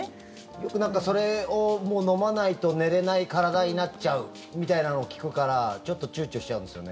よく、それを飲まないと寝れない体になっちゃうみたいなのを聞くからちょっと躊躇しちゃうんですよね。